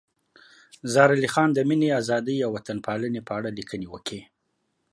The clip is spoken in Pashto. زار علي خان د مینې، ازادۍ او وطن پالنې په اړه لیکنې وکړې.